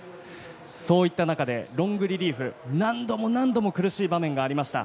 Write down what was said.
そんな中で、ロングリリーフ何度も何度も苦しい場面がありました。